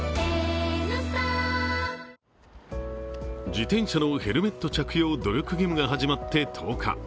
自転車のヘルメット着用努力義務が始まって１０日。